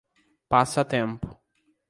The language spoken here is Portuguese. Passa Tempo